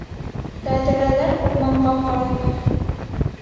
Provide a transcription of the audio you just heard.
Тәҙрәләр урманға ҡарай